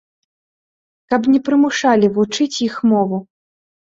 Каб не прымушалі вучыць іх мову.